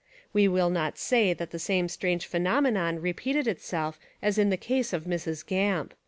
We will not say that the same strange phenomenon repeated itself as in the case of Mrs. Gamp.